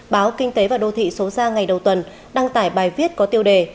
báo kinh tế và đô thị số ra ngày đầu tuần đăng tải bài viết có tiêu đề